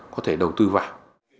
có thể đầu tư vào